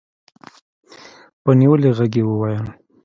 په نيولي غږ يې وويل.